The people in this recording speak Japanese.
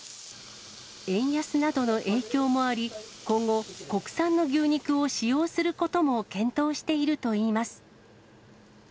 円安などの影響もあり、今後、国産の牛肉を使用することも検討しているといいます。